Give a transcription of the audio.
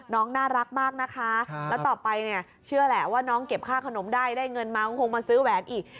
น่ารักมากนะคะแล้วต่อไปเนี่ยเชื่อแหละว่าน้องเก็บค่าขนมได้ได้เงินมาก็คงมาซื้อแหวนอีก